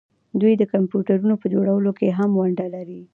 دوی د کمپیوټرونو په جوړولو کې هم ونډه لري.